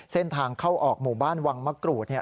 เส้นทางเข้าออกหมู่บ้านวังมะกรูด